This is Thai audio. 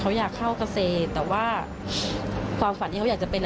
เขาอยากเข้าเกษตรแต่ว่าความฝันที่เขาอยากจะเป็น